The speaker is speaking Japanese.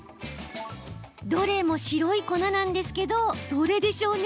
どれも白い粉ですけどどれでしょうか？